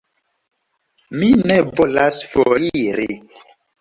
Mi ne volas foriri.